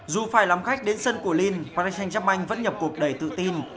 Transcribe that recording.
dù phải lắm khách đến sân của linh paris saint germain vẫn nhập cuộc đẩy tự tin